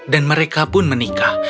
dan mereka pun menikah